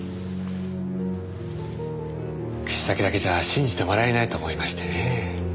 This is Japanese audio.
口先だけじゃ信じてもらえないと思いましてね。